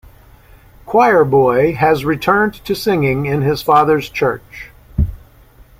Choir Boy has returned to singing in his father's church.